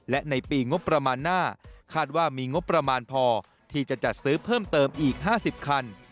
และในปีงบประมาณหน้าคาดว่ามีงบประมาณพอที่จะจัดซื้อเพิ่มเติมอีก๕๐คัน